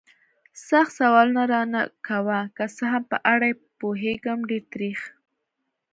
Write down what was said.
سخت سوالونه را نه کوه. که څه هم په اړه یې پوهېږم، ډېر تریخ.